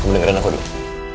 kamu dengerin aku dulu